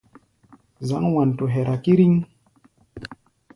Zǎŋ Wanto hɛra kíríŋ.